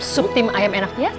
sup tim ayam enaknya